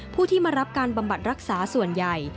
ผู้ที่มารับการบำบัดรักษาส่วนใหญ่